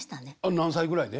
何歳ぐらいで？